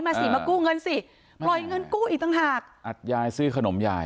สิมากู้เงินสิปล่อยเงินกู้อีกต่างหากอัดยายซื้อขนมยาย